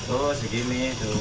oh segini tuh